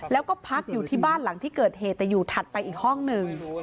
แล้วก็พักอยู่ที่บ้านหลังที่เกิดเหตุแต่อยู่ถัดไปอีกห้องหนึ่ง